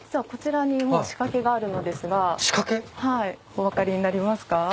お分かりになりますか？